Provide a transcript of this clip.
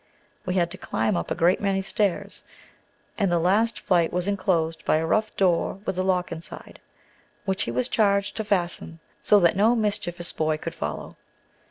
We had to climb up a great many stairs, and the last flight was inclosed by a rough door with a lock inside, which he was charged to fasten, so that no mischievous boys should follow.